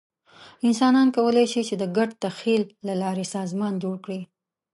انسانان کولی شي، چې د ګډ تخیل له لارې سازمان جوړ کړي.